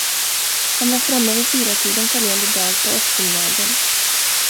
Han var framme vid fyratiden följande dag på eftermiddagen.